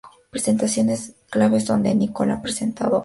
Presentaciones claves donde Nicole ha presentado "Hoy".